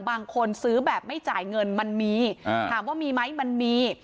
บางคนซื้อแบบไม่จ่ายเงินมันมีถามว่ามีไหมมันมี